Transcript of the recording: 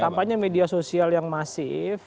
kampanye media sosial yang masif